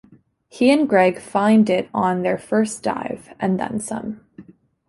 He and Greg find it on their first dive, and then some.